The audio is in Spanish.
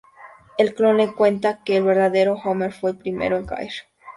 El clon le cuenta que el verdadero Homer fue el primero en caer.